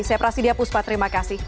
saya prasidya puspa terima kasih